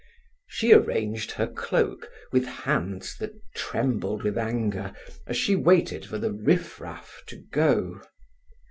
She arranged her cloak with hands that trembled with anger as she waited for the "riff raff" to go.